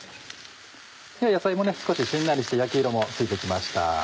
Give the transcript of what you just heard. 野菜も少ししんなりして焼き色もついて来ました。